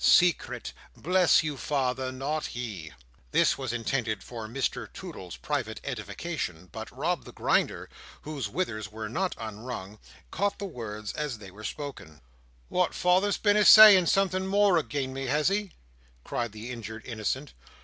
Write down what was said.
"Secret! Bless you, father, not he!" This was intended for Mr Toodle's private edification, but Rob the Grinder, whose withers were not unwrung, caught the words as they were spoken. "What! father's been a saying something more again me, has he?" cried the injured innocent.